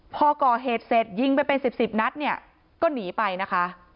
พอก่อเหตุเสร็จยิงไปเป็นสิบสิบนัดเนี่ยก็หนีไปนะคะ